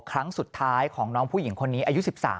ครั้งสุดท้ายของน้องผู้หญิงคนนี้อายุ๑๓